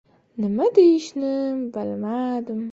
Nima deyishini bilmadi.